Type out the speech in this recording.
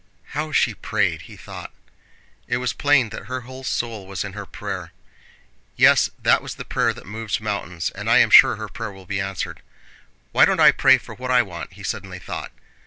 "How she prayed!" he thought. "It was plain that her whole soul was in her prayer. Yes, that was the prayer that moves mountains, and I am sure her prayer will be answered. Why don't I pray for what I want?" he suddenly thought.